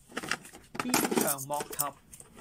鞭長莫及